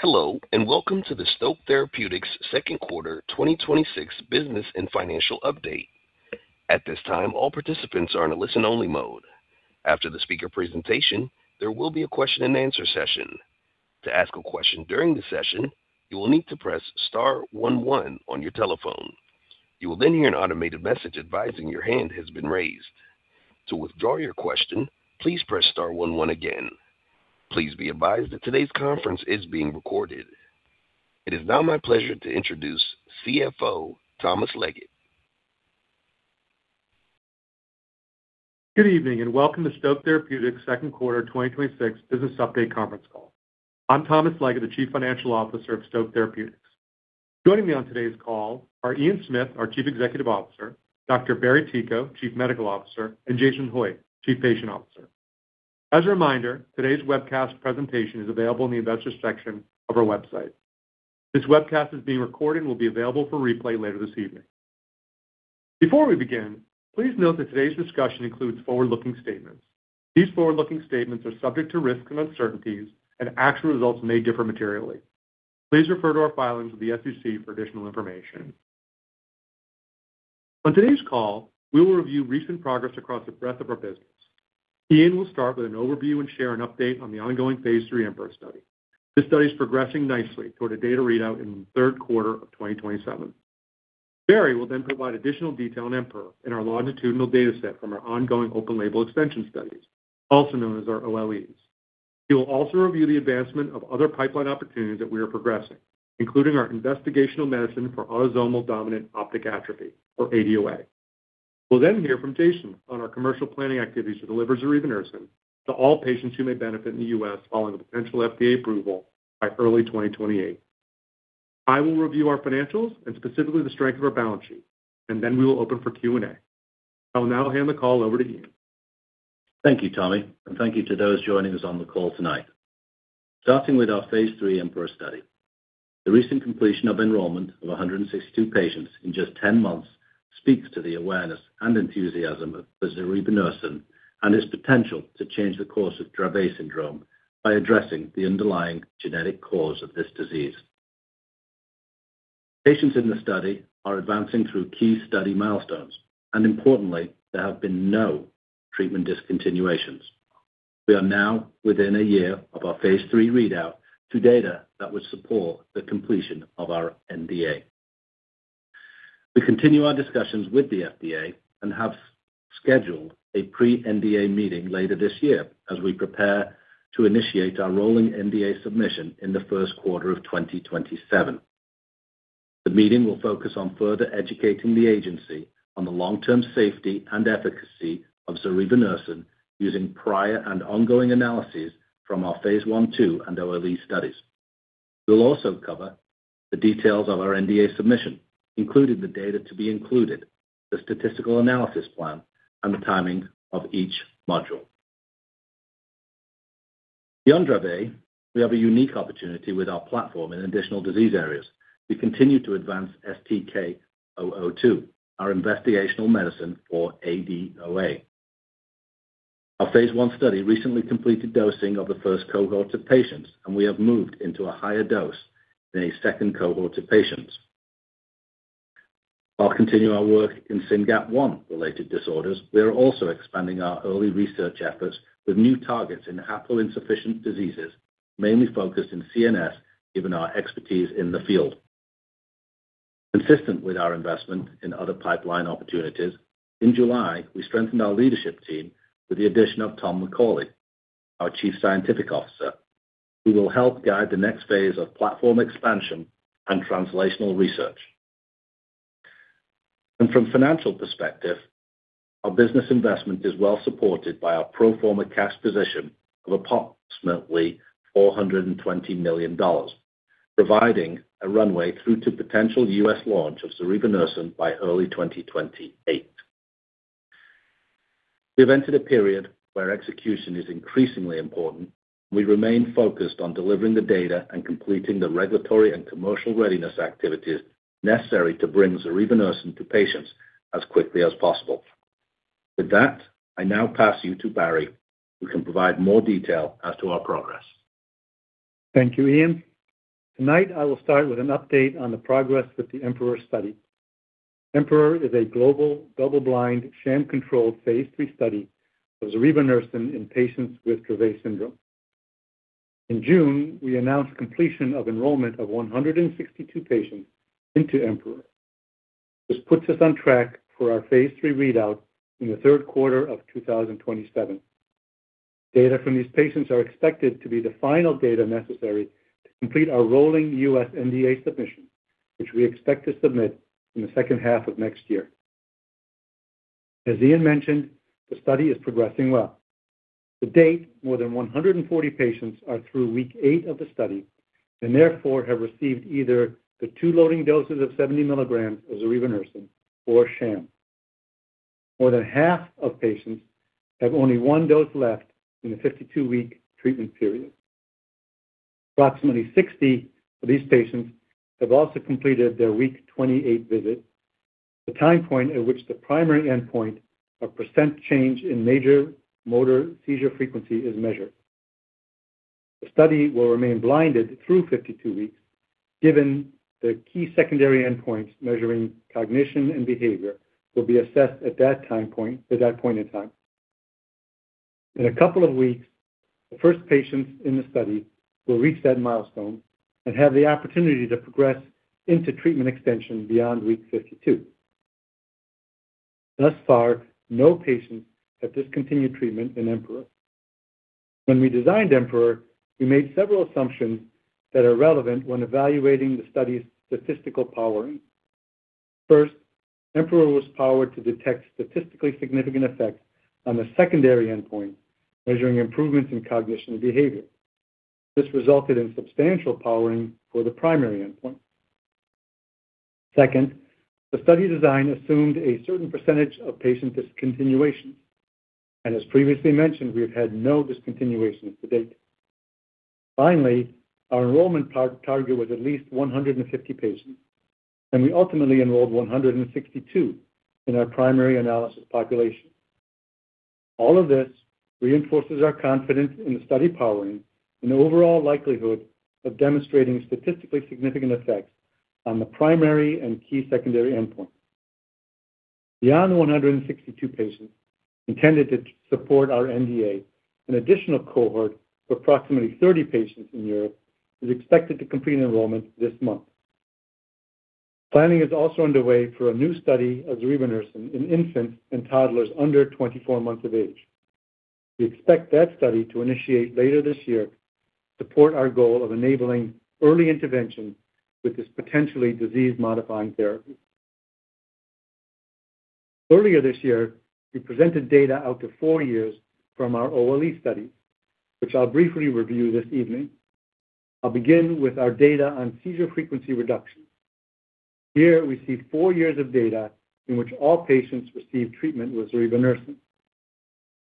Hello, and welcome to the Stoke Therapeutics Second Quarter 2026 Business and Financial Update. At this time, all participants are in a listen-only mode. After the speaker presentation, there will be a question and answer session. To ask a question during the session, you will need to press star one one on your telephone. You will then hear an automated message advising your hand has been raised. To withdraw your question, please press star one one again. Please be advised that today's conference is being recorded. It is now my pleasure to introduce CFO Thomas Leggett. Good evening, and welcome to Stoke Therapeutics Second Quarter 2026 Business Update Conference Call. I'm Tommy Leggett, the Chief Financial Officer of Stoke Therapeutics. Joining me on today's call are Ian Smith, our Chief Executive Officer, Dr. Barry Ticho, Chief Medical Officer, and Jason Hoitt, Chief Patient Officer. As a reminder, today's webcast presentation is available in the investors section of our website. This webcast is being recorded and will be available for replay later this evening. Before we begin, please note that today's discussion includes forward-looking statements. These forward-looking statements are subject to risks and uncertainties, and actual results may differ materially. Please refer to our filings with the SEC for additional information. On today's call, we will review recent progress across the breadth of our business. Ian will start with an overview and share an update on the ongoing phase III EMPEROR study. This study is progressing nicely toward a data readout in the third quarter of 2027. Barry will then provide additional detail on EMPEROR and our longitudinal data set from our ongoing open label extension studies, also known as our OLEs. He will also review the advancement of other pipeline opportunities that we are progressing, including our investigational medicine for autosomal dominant optic atrophy, or ADOA. We'll then hear from Jason on our commercial planning activities to deliver zorevunersen to all patients who may benefit in the U.S. following a potential FDA approval by early 2028. I will review our financials and specifically the strength of our balance sheet, and then we will open for Q&A. I will now hand the call over to Ian. Thank you, Tommy, and thank you to those joining us on the call tonight. Starting with our phase III EMPEROR study. The recent completion of enrollment of 162 patients in just 10 months speaks to the awareness and enthusiasm of zorevunersen and its potential to change the course of Dravet syndrome by addressing the underlying genetic cause of this disease. Patients in the study are advancing through key study milestones, and importantly, there have been no treatment discontinuations. We are now within a year of our phase III readout to data that would support the completion of our NDA. We continue our discussions with the FDA and have scheduled a pre-NDA meeting later this year as we prepare to initiate our rolling NDA submission in the first quarter of 2027. The meeting will focus on further educating the agency on the long-term safety and efficacy of zorevunersen using prior and ongoing analyses from our phase I, II and OLE studies. We'll also cover the details of our NDA submission, including the data to be included, the statistical analysis plan, and the timing of each module. Beyond Dravet, we have a unique opportunity with our platform in additional disease areas. We continue to advance STK-002, our investigational medicine for ADOA. Our phase I study recently completed dosing of the first cohort of patients, and we have moved into a higher dose in a second cohort of patients. While continuing our work in SYNGAP1-related disorders, we are also expanding our early research efforts with new targets in haploinsufficient diseases, mainly focused in CNS, given our expertise in the field. Consistent with our investment in other pipeline opportunities, in July, we strengthened our leadership team with the addition of Tom McCauley, our Chief Scientific Officer, who will help guide the next phase of platform expansion and translational research. From financial perspective, our business investment is well supported by our pro forma cash position of approximately $420 million, providing a runway through to potential U.S. launch of zorevunersen by early 2028. We have entered a period where execution is increasingly important, and we remain focused on delivering the data and completing the regulatory and commercial readiness activities necessary to bring zorevunersen to patients as quickly as possible. With that, I now pass you to Barry, who can provide more detail as to our progress. Thank you, Ian. Tonight, I will start with an update on the progress with the EMPEROR study. EMPEROR is a global, double-blind, sham-controlled phase III study of zorevunersen in patients with Dravet syndrome. In June, we announced completion of enrollment of 162 patients into EMPEROR. This puts us on track for our phase III readout in the third quarter of 2027. Data from these patients are expected to be the final data necessary to complete our rolling U.S. NDA submission, which we expect to submit in the second half of next year. As Ian mentioned, the study is progressing well. To date, more than 140 patients are through week eight of the study and therefore have received either the two loading doses of 70 mg of zorevunersen or sham. More than half of patients have only one dose left in the 52-week treatment period. Approximately 60 of these patients have also completed their week 28 visit. The time point at which the primary endpoint of percent change in major motor seizure frequency is measured. The study will remain blinded through 52 weeks, given the key secondary endpoints measuring cognition and behavior will be assessed at that point in time. In a couple of weeks, the first patients in the study will reach that milestone and have the opportunity to progress into treatment extension beyond week 52. Thus far, no patients have discontinued treatment in EMPEROR. When we designed EMPEROR, we made several assumptions that are relevant when evaluating the study's statistical powering. EMPEROR was powered to detect statistically significant effects on the secondary endpoint, measuring improvements in cognition and behavior. This resulted in substantial powering for the primary endpoint. Second, the study design assumed a certain percentage of patient discontinuation, and as previously mentioned, we have had no discontinuations to date. Our enrollment target was at least 150 patients, and we ultimately enrolled 162 in our primary analysis population. All of this reinforces our confidence in the study powering and the overall likelihood of demonstrating statistically significant effects on the primary and key secondary endpoints. Beyond the 162 patients intended to support our NDA, an additional cohort of approximately 30 patients in Europe is expected to complete enrollment this month. Planning is also underway for a new study of zorevunersen in infants and toddlers under 24 months of age. We expect that study to initiate later this year to support our goal of enabling early intervention with this potentially disease-modifying therapy. Earlier this year, we presented data out to four years from our OLE study, which I'll briefly review this evening. I'll begin with our data on seizure frequency reduction. Here we see four years of data in which all patients received treatment with zorevunersen.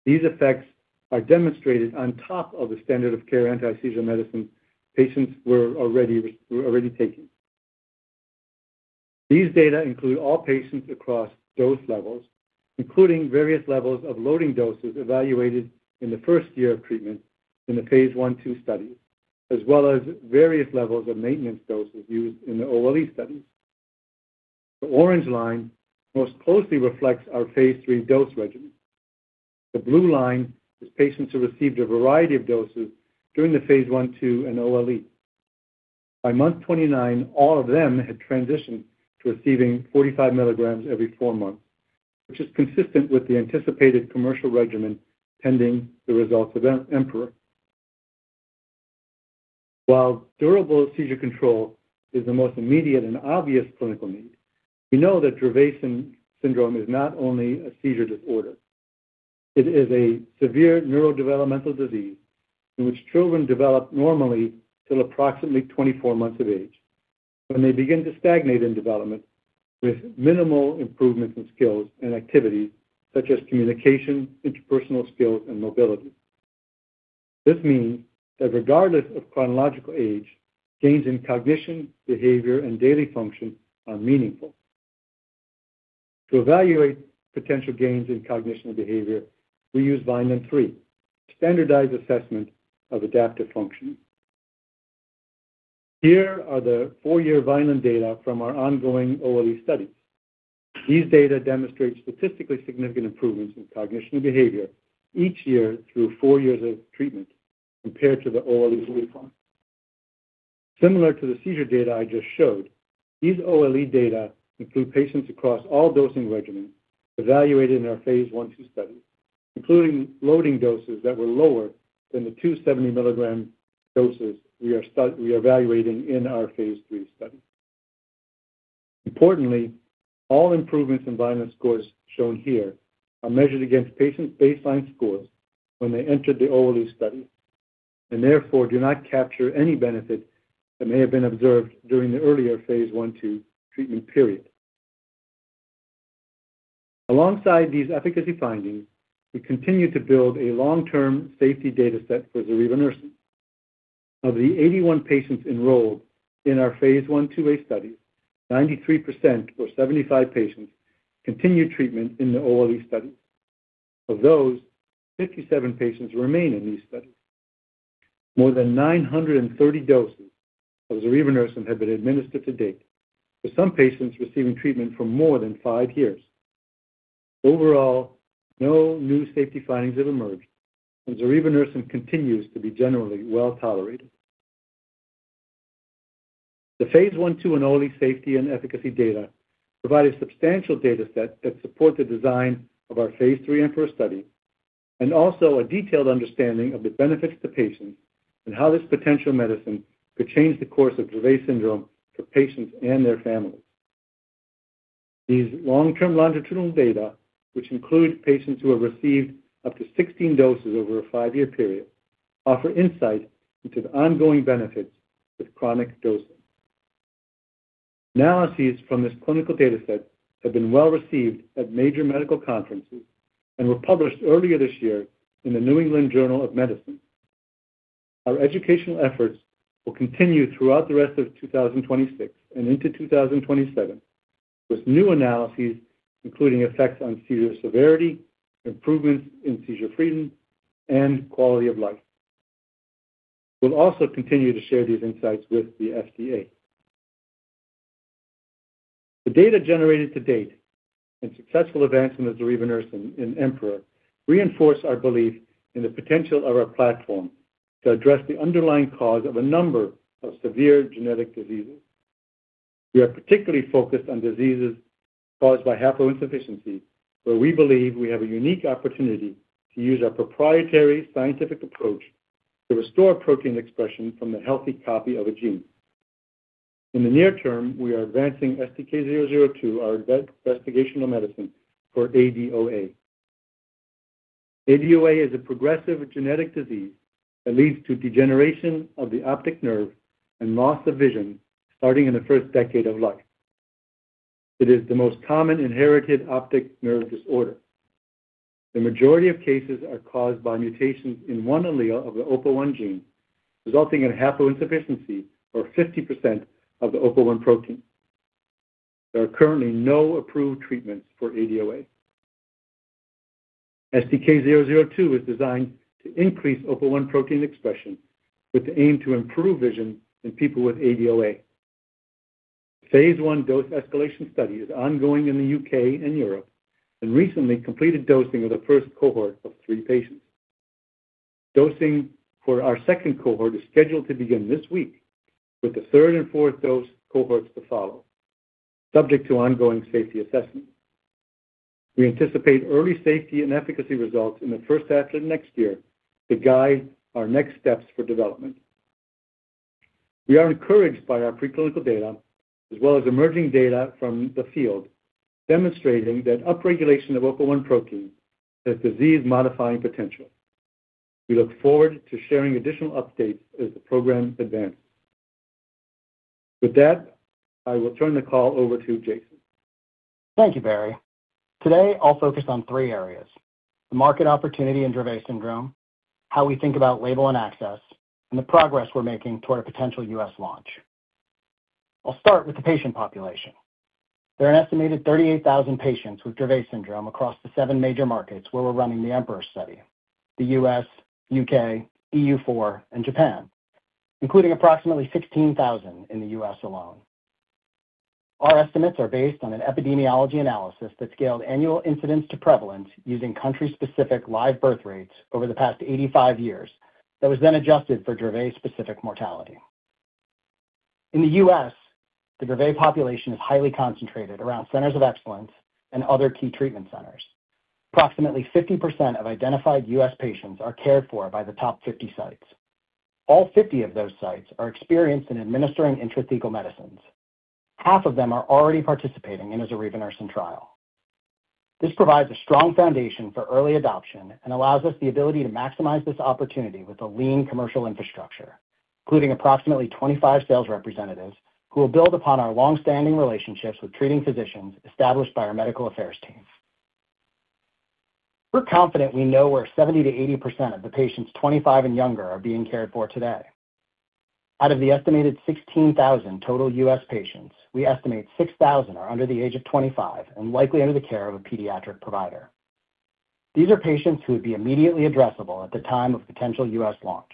These effects are demonstrated on top of the standard of care anti-seizure medicine patients were already taking. These data include all patients across dose levels, including various levels of loading doses evaluated in the first year of treatment in the phase I/II study, as well as various levels of maintenance doses used in the OLE study. The orange line most closely reflects our phase III dose regimen. The blue line is patients who received a variety of doses during the phase I/II and OLE. By month 29, all of them had transitioned to receiving 45 mg every four months, which is consistent with the anticipated commercial regimen pending the results of EMPEROR. While durable seizure control is the most immediate and obvious clinical need, we know that Dravet syndrome is not only a seizure disorder. It is a severe neurodevelopmental disease in which children develop normally till approximately 24 months of age, when they begin to stagnate in development with minimal improvements in skills and activities such as communication, interpersonal skills, and mobility. This means that regardless of chronological age, gains in cognition, behavior, and daily function are meaningful. To evaluate potential gains in cognition and behavior, we use Vineland-3, a standardized assessment of adaptive functioning. Here are the four-year Vineland data from our ongoing OLE study. These data demonstrate statistically significant improvements in cognition and behavior each year through four years of treatment compared to the OLE baseline. Similar to the seizure data I just showed, these OLE data include patients across all dosing regimens evaluated in our phase I/II study, including loading doses that were lower than the two 70 mg doses we are evaluating in our phase III study. Importantly, all improvements in Vineland scores shown here are measured against patients' baseline scores when they entered the OLE study, and therefore do not capture any benefit that may have been observed during the earlier phase I/II treatment period. Alongside these efficacy findings, we continue to build a long-term safety data set for zorevunersen. Of the 81 patients enrolled in our phase I/II-A study, 93%, or 75 patients, continued treatment in the OLE study. Of those, 57 patients remain in these studies. More than 930 doses of zorevunersen have been administered to date, with some patients receiving treatment for more than five years. Overall, no new safety findings have emerged, and zorevunersen continues to be generally well-tolerated. The phase I/II and OLE safety and efficacy data provide a substantial data set that support the design of our phase III EMPEROR study and also a detailed understanding of the benefits to patients and how this potential medicine could change the course of Dravet syndrome for patients and their families. These long-term longitudinal data, which include patients who have received up to 16 doses over a five-year period, offer insight into the ongoing benefits with chronic dosing. Analyses from this clinical data set have been well-received at major medical conferences and were published earlier this year in "The New England Journal of Medicine." Our educational efforts will continue throughout the rest of 2026 and into 2027 with new analyses, including effects on seizure severity, improvements in seizure freedom, and quality of life. We'll also continue to share these insights with the FDA. The data generated to date and successful advancement of zorevunersen in EMPEROR reinforce our belief in the potential of our platform to address the underlying cause of a number of severe genetic diseases. We are particularly focused on diseases caused by haploinsufficiency, where we believe we have a unique opportunity to use our proprietary scientific approach to restore protein expression from the healthy copy of a gene. In the near term, we are advancing STK-002, our investigational medicine for ADOA. ADOA is a progressive genetic disease that leads to degeneration of the optic nerve and loss of vision starting in the first decade of life. It is the most common inherited optic nerve disorder. The majority of cases are caused by mutations in one allele of the OPA1 gene, resulting in haploinsufficiency or 50% of the OPA1 protein. There are currently no approved treatments for ADOA. STK-002 is designed to increase OPA1 protein expression with the aim to improve vision in people with ADOA. Phase I dose escalation study is ongoing in the U.K. and Europe, and recently completed dosing of the first cohort of three patients. Dosing for our second cohort is scheduled to begin this week, with the third and fourth dose cohorts to follow, subject to ongoing safety assessment. We anticipate early safety and efficacy results in the first half of next year to guide our next steps for development. We are encouraged by our preclinical data as well as emerging data from the field, demonstrating that upregulation of OPA1 protein has disease-modifying potential. We look forward to sharing additional updates as the program advances. With that, I will turn the call over to Jason. Thank you, Barry. Today, I'll focus on three areas: the market opportunity in Dravet syndrome, how we think about label and access, and the progress we're making toward a potential U.S. launch. I'll start with the patient population. There are an estimated 38,000 patients with Dravet syndrome across the seven major markets where we're running the EMPEROR study, the U.S., U.K., EU4, and Japan, including approximately 16,000 in the U.S. alone. Our estimates are based on an epidemiology analysis that scaled annual incidence to prevalence using country-specific live birth rates over the past 85 years that was then adjusted for Dravet-specific mortality. In the U.S., the Dravet population is highly concentrated around centers of excellence and other key treatment centers. Approximately 50% of identified U.S. patients are cared for by the top 50 sites. All 50 of those sites are experienced in administering intrathecal medicines. Half of them are already participating in a zorevunersen trial. This provides a strong foundation for early adoption and allows us the ability to maximize this opportunity with a lean commercial infrastructure, including approximately 25 sales representatives who will build upon our long-standing relationships with treating physicians established by our medical affairs teams. We're confident we know where 70%-80% of the patients 25 and younger are being cared for today. Out of the estimated 16,000 total U.S. patients, we estimate 6,000 are under the age of 25 and likely under the care of a pediatric provider. These are patients who would be immediately addressable at the time of potential U.S. launch.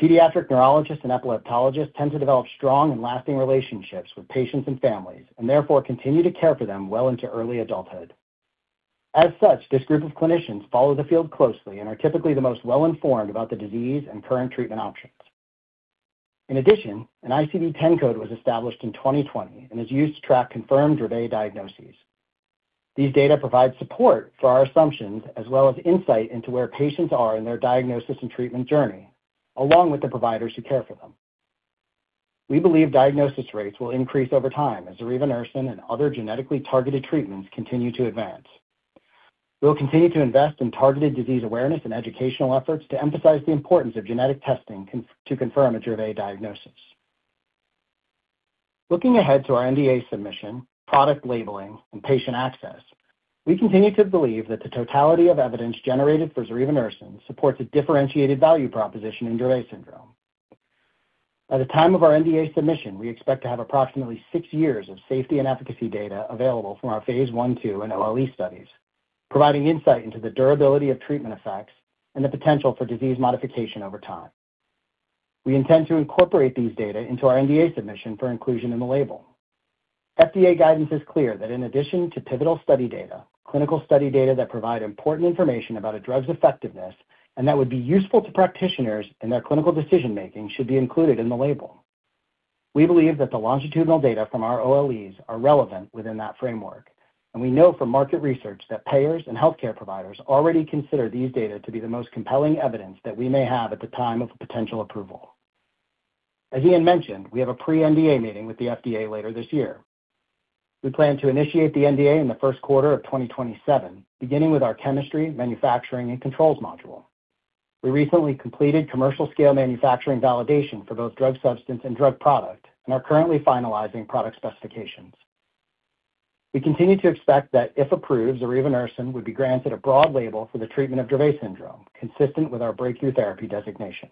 Pediatric neurologists and epileptologists tend to develop strong and lasting relationships with patients and families and therefore continue to care for them well into early adulthood. As such, this group of clinicians follow the field closely and are typically the most well-informed about the disease and current treatment options. In addition, an ICD 10 code was established in 2020 and is used to track confirmed Dravet diagnoses. These data provide support for our assumptions as well as insight into where patients are in their diagnosis and treatment journey, along with the providers who care for them. We believe diagnosis rates will increase over time as zorevunersen and other genetically targeted treatments continue to advance. We will continue to invest in targeted disease awareness and educational efforts to emphasize the importance of genetic testing to confirm a Dravet diagnosis. Looking ahead to our NDA submission, product labeling, and patient access, we continue to believe that the totality of evidence generated for zorevunersen supports a differentiated value proposition in Dravet syndrome. By the time of our NDA submission, we expect to have approximately six years of safety and efficacy data available from our phase I, phase II, and OLE studies, providing insight into the durability of treatment effects and the potential for disease modification over time. We intend to incorporate these data into our NDA submission for inclusion in the label. FDA guidance is clear that in addition to pivotal study data, clinical study data that provide important information about a drug's effectiveness and that would be useful to practitioners in their clinical decision-making should be included in the label. We believe that the longitudinal data from our OLEs are relevant within that framework. We know from market research that payers and healthcare providers already consider these data to be the most compelling evidence that we may have at the time of a potential approval. As Ian mentioned, we have a pre-NDA meeting with the FDA later this year. We plan to initiate the NDA in the first quarter of 2027, beginning with our chemistry, manufacturing, and controls module. We recently completed commercial-scale manufacturing validation for both drug substance and drug product and are currently finalizing product specifications. We continue to expect that if approved, zorevunersen would be granted a broad label for the treatment of Dravet syndrome, consistent with our breakthrough therapy designation.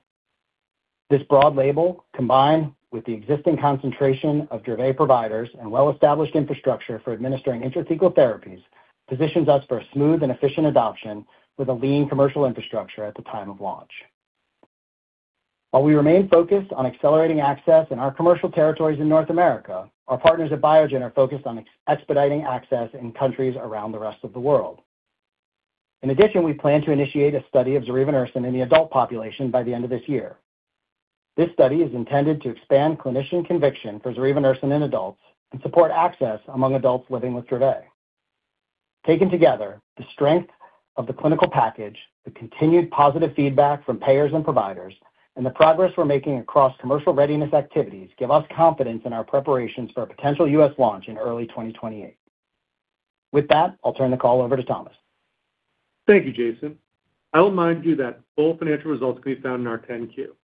This broad label, combined with the existing concentration of Dravet providers and well-established infrastructure for administering intrathecal therapies, positions us for a smooth and efficient adoption with a lean commercial infrastructure at the time of launch. While we remain focused on accelerating access in our commercial territories in North America, our partners at Biogen are focused on expediting access in countries around the rest of the world. In addition, we plan to initiate a study of zorevunersen in the adult population by the end of this year. This study is intended to expand clinician conviction for zorevunersen in adults and support access among adults living with Dravet. Taken together, the strength of the clinical package, the continued positive feedback from payers and providers, and the progress we're making across commercial readiness activities give us confidence in our preparations for a potential U.S. launch in early 2028. With that, I'll turn the call over to Thomas. Thank you, Jason. I'll remind you that full financial results can be found in our 10-Q.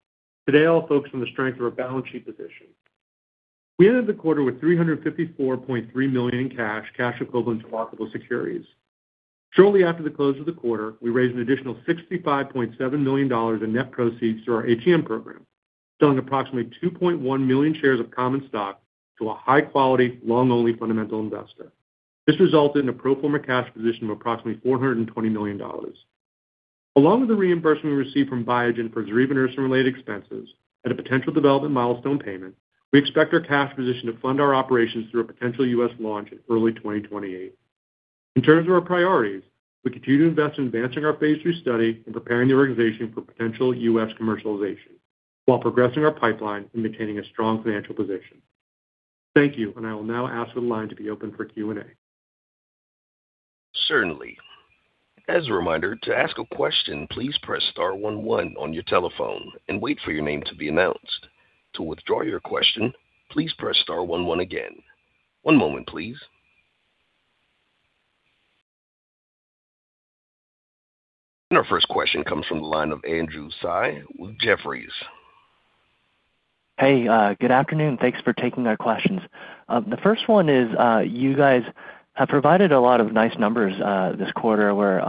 Today, I'll focus on the strength of our balance sheet position. We ended the quarter with $354.3 million in cash equivalents, and marketable securities. Shortly after the close of the quarter, we raised an additional $65.7 million in net proceeds through our ATM program, selling approximately 2.1 million shares of common stock to a high-quality, long-only fundamental investor. This resulted in a pro forma cash position of approximately $420 million. Along with the reimbursement we received from Biogen for zorevunersen-related expenses and a potential development milestone payment, we expect our cash position to fund our operations through a potential U.S. launch in early 2028. In terms of our priorities, we continue to invest in advancing our phase III study and preparing the organization for potential U.S. commercialization, while progressing our pipeline and maintaining a strong financial position. Thank you. I will now ask the line to be open for Q&A. Certainly. As a reminder, to ask a question, please press star one one on your telephone and wait for your name to be announced. To withdraw your question, please press star one one again. One moment, please. Our first question comes from the line of Andrew Tsai with Jefferies. Hey, good afternoon. Thanks for taking our questions. The first one is, you guys have provided a lot of nice numbers this quarter where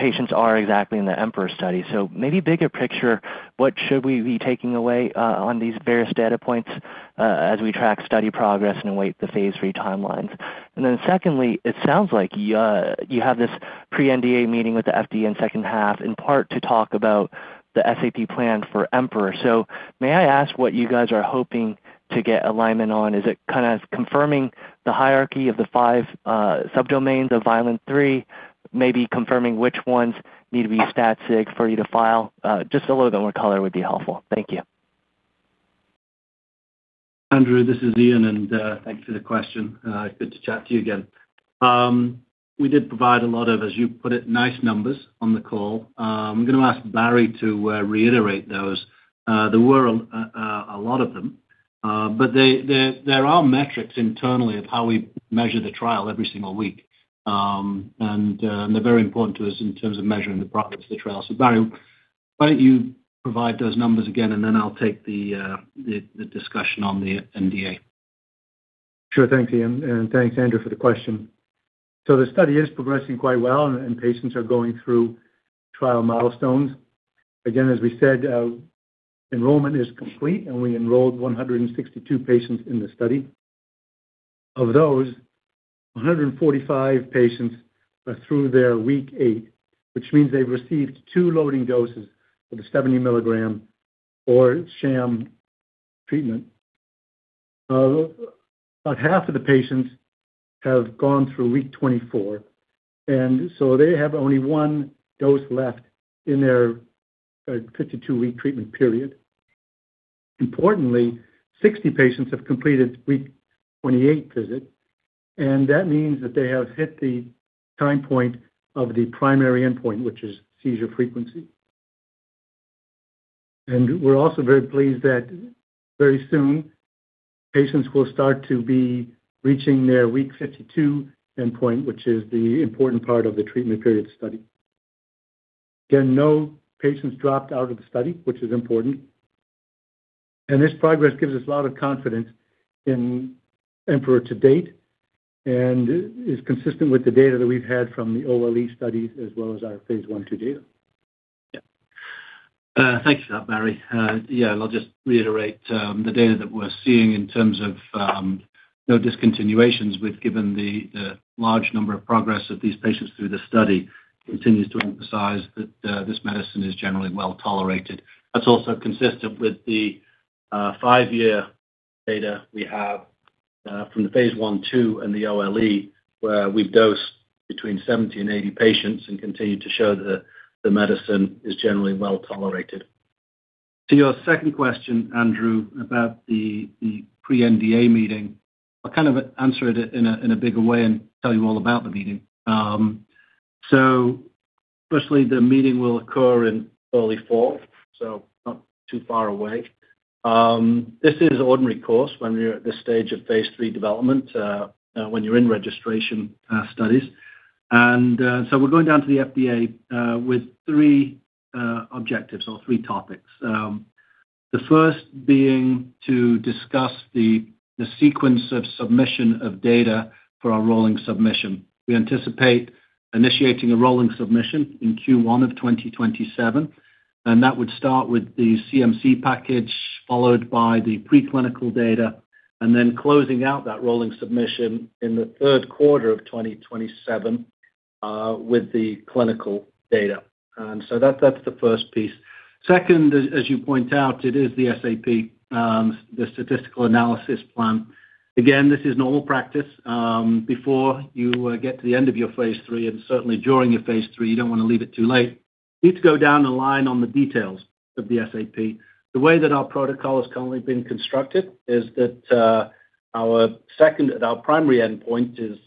patients are exactly in the EMPEROR study. Maybe bigger picture, what should we be taking away on these various data points as we track study progress and await the phase III timelines? Secondly, it sounds like you have this pre-NDA meeting with the FDA in the second half, in part to talk about the SAP plan for EMPEROR. May I ask what you guys are hoping to get alignment on? Is it kind of confirming the hierarchy of the five sub-domains of Vineland-3, maybe confirming which ones need to be stat sig for you to file? Just a little bit more color would be helpful. Thank you. Andrew, this is Ian, thanks for the question. Good to chat to you again. We did provide a lot of, as you put it, nice numbers on the call. I'm going to ask Barry to reiterate those. There were a lot of them. There are metrics internally of how we measure the trial every single week. They're very important to us in terms of measuring the progress of the trial. Barry, why don't you provide those numbers again, then I'll take the discussion on the NDA. Sure. Thanks, Ian, and thanks, Andrew, for the question. The study is progressing quite well, patients are going through trial milestones. Again, as we said, enrollment is complete, we enrolled 162 patients in the study. Of those, 145 patients are through their week eight, which means they've received two loading doses of the 70 mg or sham treatment. About half of the patients have gone through week 24, they have only one dose left in their 52-week treatment period. Importantly, 60 patients have completed week 28 visit, that means that they have hit the time point of the primary endpoint, which is seizure frequency. We're also very pleased that very soon patients will start to be reaching their week 52 endpoint, which is the important part of the treatment period study. Again, no patients dropped out of the study, which is important. This progress gives us a lot of confidence in EMPEROR to date and is consistent with the data that we've had from the OLE studies as well as our phase I/II data. Thanks for that, Barry. I'll just reiterate the data that we're seeing in terms of no discontinuations with given the large number of progress of these patients through the study continues to emphasize that this medicine is generally well-tolerated. That's also consistent with the five-year data we have from the phase I/II and the OLE, where we've dosed between 70 and 80 patients and continue to show that the medicine is generally well-tolerated. To your second question, Andrew, about the pre-NDA meeting, I'll kind of answer it in a bigger way and tell you all about the meeting. Firstly, the meeting will occur in early fourth, so not too far away. This is ordinary course when you're at this stage of phase III development, when you're in registration studies. We're going down to the FDA with three objectives or three topics. The first being to discuss the sequence of submission of data for our rolling submission. We anticipate initiating a rolling submission in Q1 of 2027, that would start with the CMC package, followed by the preclinical data, then closing out that rolling submission in the third quarter of 2027 with the clinical data. That's the first piece. Second, as you point out, it is the SAP, the statistical analysis plan. Again, this is normal practice. Before you get to the end of your phase III and certainly during your phase III, you don't want to leave it too late. Need to go down the line on the details of the SAP. The way that our protocol has currently been constructed is that our primary endpoint is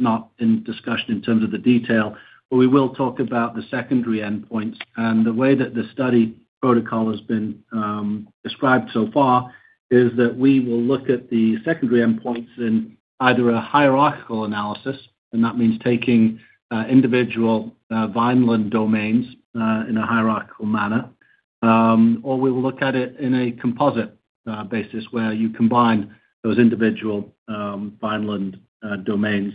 not in discussion in terms of the detail, but we will talk about the secondary endpoints. The way that the study protocol has been described so far is that we will look at the secondary endpoints in either a hierarchical analysis, that means taking individual Vineland domains in a hierarchical manner. Or we will look at it in a composite basis, where you combine those individual Vineland domains.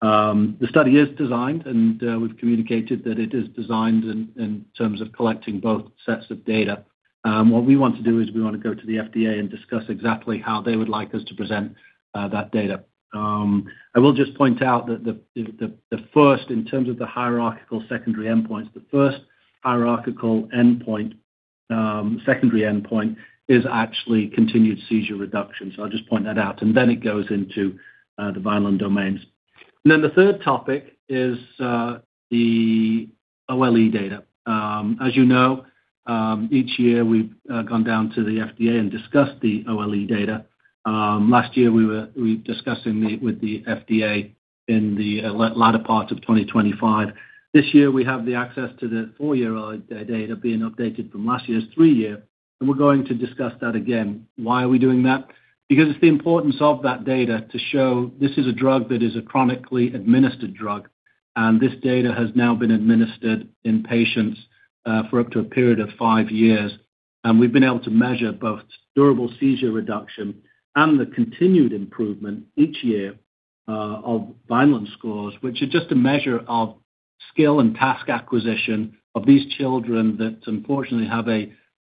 The study is designed, we've communicated that it is designed in terms of collecting both sets of data. What we want to do is we want to go to the FDA and discuss exactly how they would like us to present that data. I will just point out that the first, in terms of the hierarchical secondary endpoints, the first hierarchical secondary endpoint is actually continued seizure reduction. I'll just point that out. It goes into the Vineland domains. The third topic is the OLE data. As you know, each year we've gone down to the FDA and discussed the OLE data. Last year we were discussing it with the FDA in the latter part of 2025. This year we have the access to the four-year data being updated from last year's three-year, and we're going to discuss that again. Why are we doing that? Because it's the importance of that data to show this is a drug that is a chronically administered drug, and this data has now been administered in patients for up to a period of five years. We've been able to measure both durable seizure reduction and the continued improvement each year of Vineland scores, which are just a measure of skill and task acquisition of these children that unfortunately have a,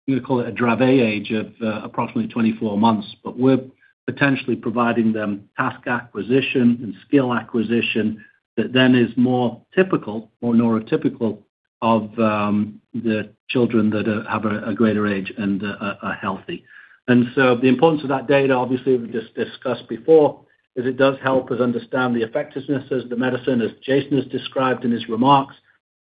we call it a Dravet age of approximately 24 months. We're potentially providing them task acquisition and skill acquisition that then is more typical or neurotypical of the children that have a greater age and are healthy. The importance of that data, obviously we've just discussed before, is it does help us understand the effectiveness of the medicine, as Jason has described in his remarks,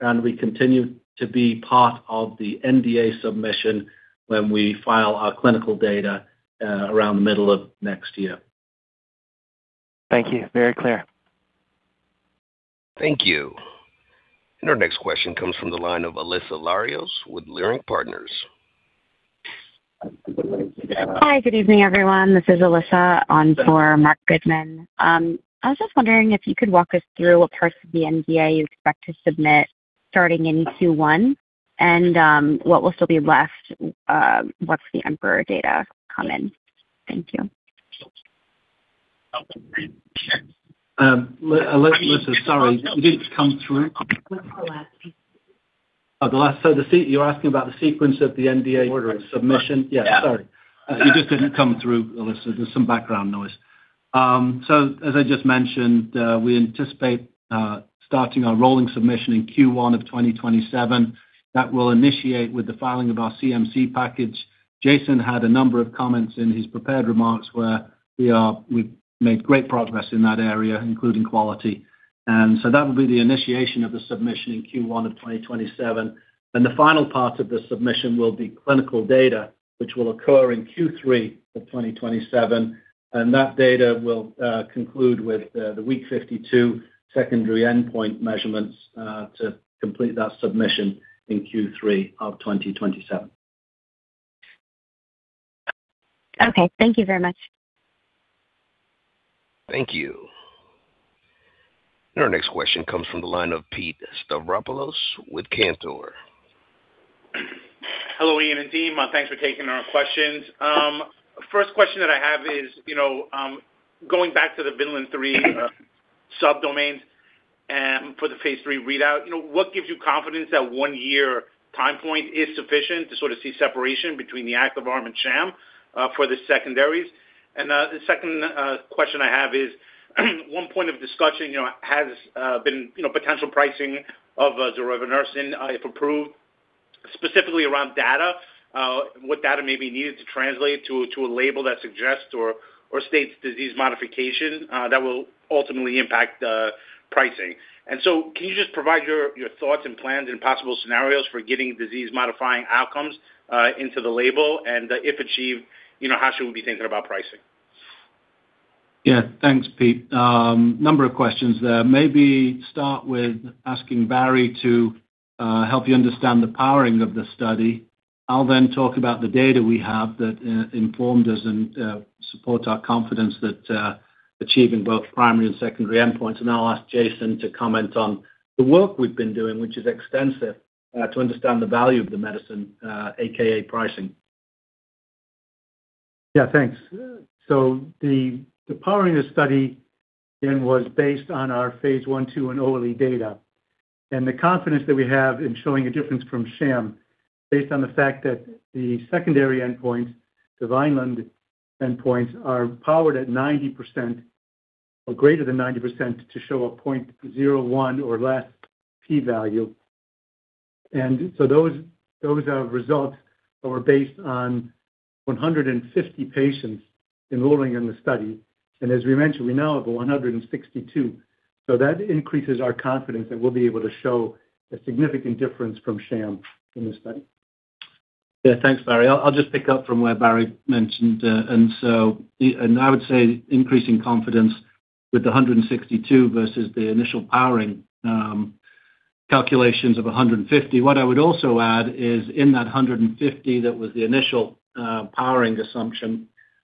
and will continue to be part of the NDA submission when we file our clinical data around the middle of next year. Thank you. Very clear. Thank you. Our next question comes from the line of Alyssa Larios with Leerink Partners. Hi, good evening, everyone. This is Alyssa on for Marc Goodman. I was just wondering if you could walk us through what parts of the NDA you expect to submit starting in Q1, and what will still be left once the EMPEROR data come in. Thank you. Alyssa, sorry. You didn't come through. What's the last piece? You're asking about the sequence of the NDA submission? Order. Yeah, sorry. You just didn't come through, Alyssa. There is some background noise. As I just mentioned, we anticipate starting our rolling submission in Q1 of 2027. That will initiate with the filing of our CMC package. Jason had a number of comments in his prepared remarks where we have made great progress in that area, including quality. That will be the initiation of the submission in Q1 of 2027. The final part of the submission will be clinical data, which will occur in Q3 of 2027. That data will conclude with the week 52 secondary endpoint measurements to complete that submission in Q3 of 2027. Okay. Thank you very much. Thank you. Our next question comes from the line of Pete Stavropoulos with Cantor. Hello, Ian and team. Thanks for taking our questions. First question that I have is going back to the Vineland-3 sub-domains for the phase III readout. What gives you confidence that one year time point is sufficient to sort of see separation between the active arm and sham for the secondaries? The second question I have is one point of discussion has been potential pricing of zorevunersen if approved, specifically around data what data may be needed to translate to a label that suggests or states disease modification that will ultimately impact pricing. Can you just provide your thoughts and plans and possible scenarios for getting disease-modifying outcomes into the label? If achieved, how should we be thinking about pricing? Yeah. Thanks, Pete. Number of questions there. Maybe start with asking Barry to help you understand the powering of the study. I'll then talk about the data we have that informed us and support our confidence that achieving both primary and secondary endpoints. I'll ask Jason to comment on the work we've been doing, which is extensive, to understand the value of the medicine, AKA pricing. Yeah, thanks. The powering of the study then was based on our phase I/II and OLE data. The confidence that we have in showing a difference from sham based on the fact that the secondary endpoint, the Vineland endpoints, are powered at 90% or greater than 90% to show a 0.01 or less P value. Those are results that were based on 150 patients enrolling in the study. As we mentioned, we now have 162. That increases our confidence that we'll be able to show a significant difference from sham in this study. Yeah, thanks, Barry. I'll just pick up from where Barry mentioned. I would say increasing confidence with the 162 versus the initial powering calculations of 150. What I would also add is in that 150, that was the initial powering assumption.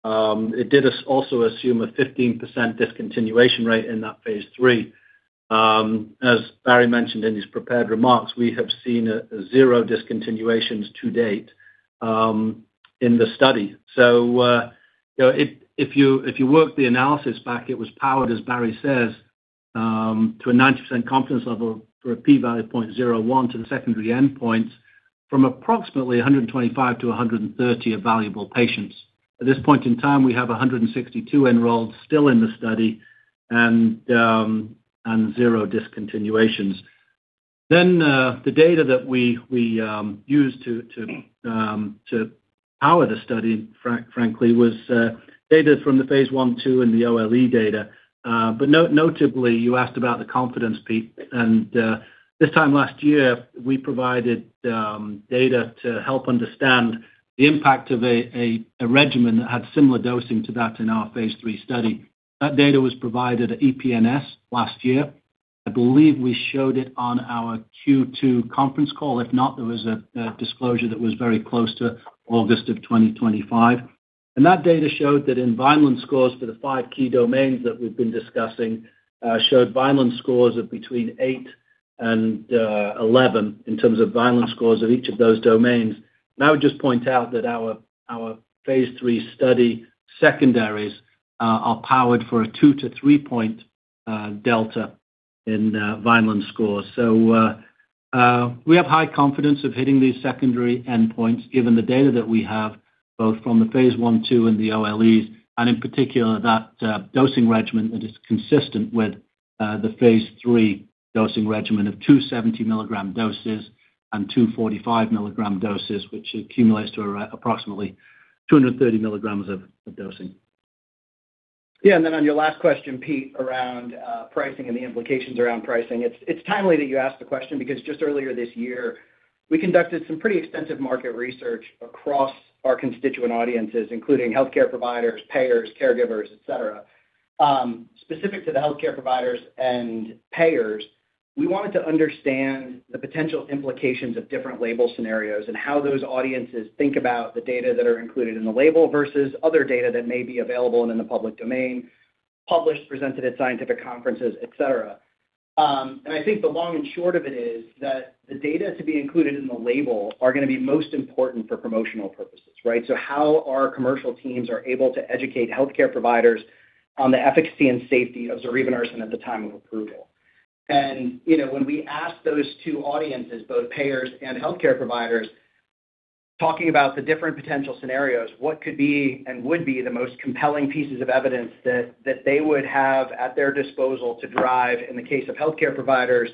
It did also assume a 15% discontinuation rate in that phase III. As Barry mentioned in his prepared remarks, we have seen zero discontinuations to date in the study. If you work the analysis back, it was powered, as Barry says, to a 90% confidence level for a P value of 0.01 to the secondary endpoints from approximately 125-30 evaluable patients. At this point in time, we have 162 enrolled still in the study and zero discontinuations. The data that we used to power the study frankly, was data from the phase I/II and the OLE data. Notably, you asked about the confidence, Pete, and this time last year we provided data to help understand the impact of a regimen that had similar dosing to that in our phase III study. That data was provided at EPNS last year. I believe we showed it on our Q2 conference call. If not, there was a disclosure that was very close to August of 2025. That data showed that in Vineland scores for the five key domains that we've been discussing, showed Vineland scores of between eight and 11 in terms of Vineland scores of each of those domains. I would just point out that our phase III study secondaries are powered for a two-three-point delta in Vineland scores. We have high confidence of hitting these secondary endpoints given the data that we have both from the phase I/II and the OLEs, and in particular that dosing regimen that is consistent with the phase III dosing regimen of two 70 mg doses and two 45 mg doses which accumulates to approximately 230 mg of dosing. On your last question, Pete, around pricing and the implications around pricing, it is timely that you asked the question because just earlier this year we conducted some pretty extensive market research across our constituent audiences including healthcare providers, payers, caregivers, et cetera. Specific to the healthcare providers and payers, we wanted to understand the potential implications of different label scenarios and how those audiences think about the data that are included in the label versus other data that may be available and in the public domain, published, presented at scientific conferences, et cetera. I think the long and short of it is that the data to be included in the label are going to be most important for promotional purposes, right? How our commercial teams are able to educate healthcare providers on the efficacy and safety of zorevunersen at the time of approval. When we ask those two audiences, both payers and healthcare providers, talking about the different potential scenarios, what could be and would be the most compelling pieces of evidence that they would have at their disposal to drive, in the case of healthcare providers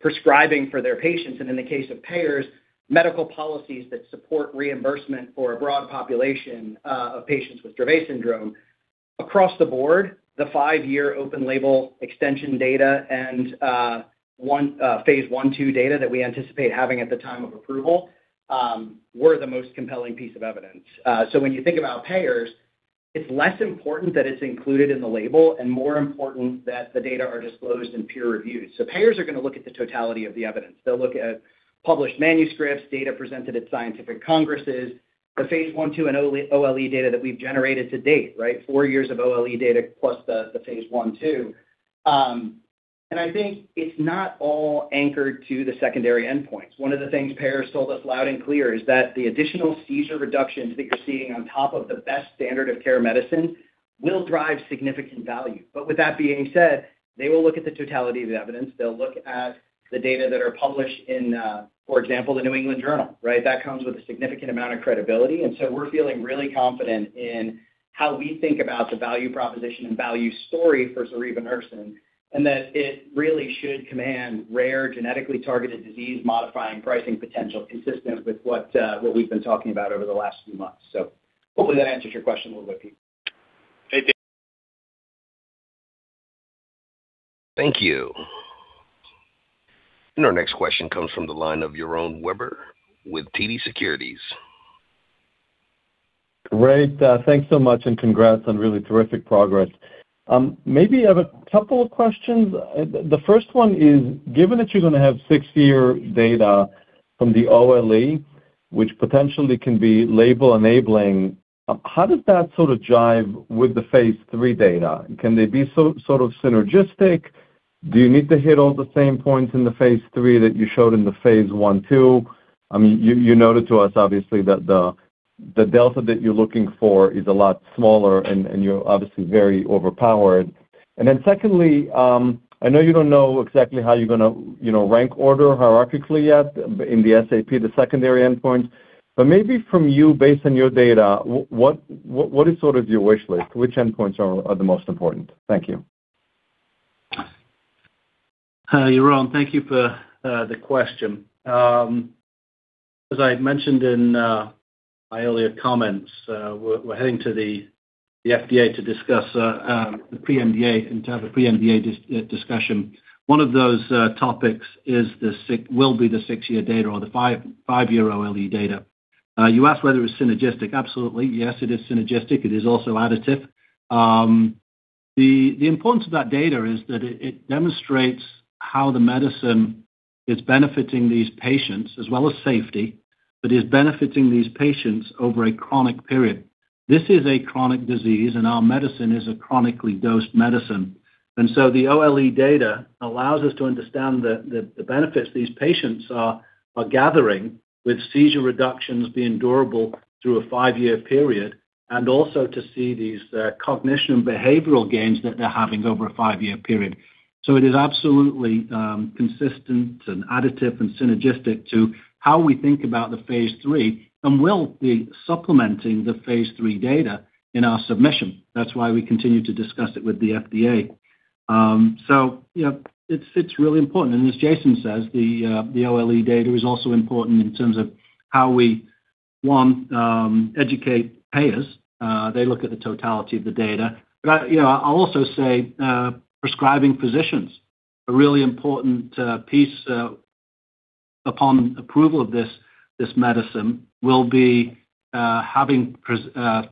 prescribing for their patients and in the case of payers, medical policies that support reimbursement for a broad population of patients with Dravet syndrome. Across the board, the five-year open label extension data and phase I/II data that we anticipate having at the time of approval were the most compelling piece of evidence. When you think about payers, it is less important that it is included in the label and more important that the data are disclosed and peer reviewed. Payers are going to look at the totality of the evidence. They will look at published manuscripts, data presented at scientific congresses, the phase I/II and OLE data that we have generated to date, right? Four years of OLE data plus the phase I/II. I think it is not all anchored to the secondary endpoints. One of the things payers told us loud and clear is that the additional seizure reductions that you are seeing on top of the best standard of care medicine will drive significant value. With that being said, they will look at the totality of evidence. They will look at the data that are published in, for example, The New England Journal, right? That comes with a significant amount of credibility. We're feeling really confident in how we think about the value proposition and value story for zorevunersen, and that it really should command rare genetically targeted disease modifying pricing potential consistent with what we've been talking about over the last few months. Hopefully that answers your question a little bit, Pete. Thank you. Thank you. Our next question comes from the line of Yaron Werber with TD Securities. Great. Thanks so much and congrats on really terrific progress. Maybe I have a couple of questions. The first one is, given that you're going to have six-year data from the OLE which potentially can be label-enabling. How does that jive with the phase III data? Can they be synergistic? Do you need to hit all the same points in the phase III that you showed in the phase I/II? You noted to us, obviously, that the delta that you're looking for is a lot smaller, and you're obviously very overpowered. Secondly, I know you don't know exactly how you're going to rank order hierarchically yet in the SAP, the secondary endpoints. Maybe from you, based on your data, what is your wish list? Which endpoints are the most important? Thank you. Yaron, thank you for the question. As I had mentioned in my earlier comments, we're heading to the FDA to discuss the pre-NDA and to have a pre-NDA discussion. One of those topics will be the six-year data or the five-year OLE data. You asked whether it's synergistic. Absolutely. Yes, it is synergistic. It is also additive. The importance of that data is that it demonstrates how the medicine is benefiting these patients as well as safety, but is benefiting these patients over a chronic period. This is a chronic disease, and our medicine is a chronically dosed medicine. The OLE data allows us to understand the benefits these patients are gathering with seizure reductions being durable through a five-year period, and also to see these cognition behavioral gains that they're having over a five-year period. It is absolutely consistent and additive and synergistic to how we think about the phase III and will be supplementing the phase III data in our submission. That's why we continue to discuss it with the FDA. It's really important. As Jason says, the OLE data is also important in terms of how we, one, educate payers. They look at the totality of the data. I'll also say prescribing physicians, a really important piece upon approval of this medicine will be having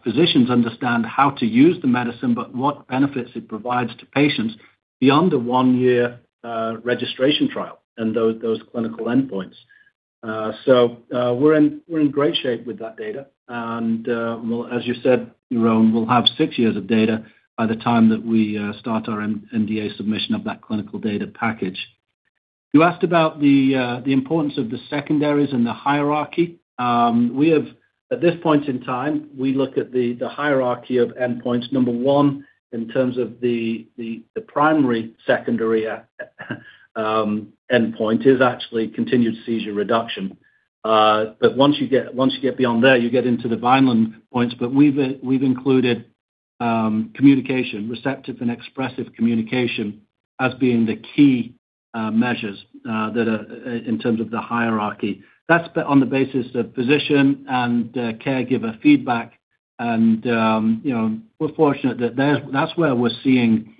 physicians understand how to use the medicine, but what benefits it provides to patients beyond the one-year registration trial and those clinical endpoints. We're in great shape with that data. As you said, Yaron, we'll have six years of data by the time that we start our NDA submission of that clinical data package. You asked about the importance of the secondaries and the hierarchy. At this point in time, we look at the hierarchy of endpoints. Number one, in terms of the primary, secondary endpoint is actually continued seizure reduction. Once you get beyond there, you get into the Vineland points. We've included communication, receptive and expressive communication as being the key measures in terms of the hierarchy. That's on the basis of physician and caregiver feedback. We're fortunate that that's where we're seeing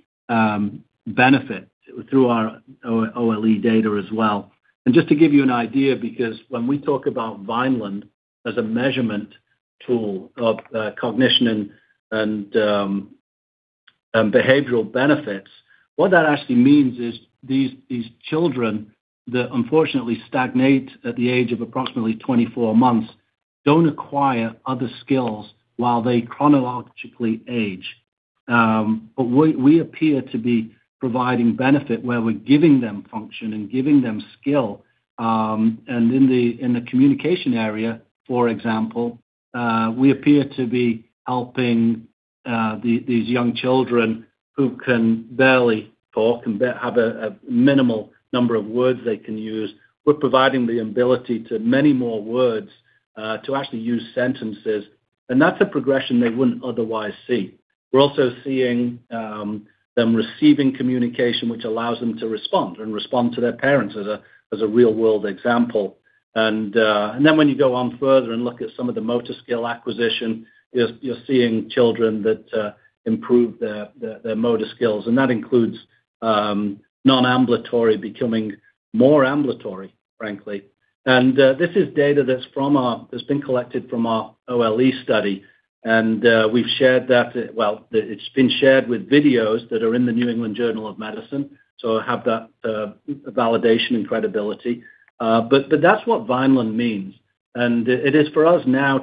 benefit through our OLE data as well. Just to give you an idea, because when we talk about Vineland as a measurement tool of cognition and behavioral benefits, what that actually means is these children that unfortunately stagnate at the age of approximately 24 months, don't acquire other skills while they chronologically age. We appear to be providing benefit where we're giving them function and giving them skill. In the communication area, for example, we appear to be helping these young children who can barely talk and have a minimal number of words they can use. We're providing the ability to many more words to actually use sentences. That's a progression they wouldn't otherwise see. We're also seeing them receiving communication, which allows them to respond, and respond to their parents as a real-world example. When you go on further and look at some of the motor skill acquisition, you're seeing children that improve their motor skills. That includes non-ambulatory becoming more ambulatory, frankly. This is data that's been collected from our OLE study, and it's been shared with videos that are in The New England Journal of Medicine. Have that validation and credibility. That's what Vineland means. It is for us now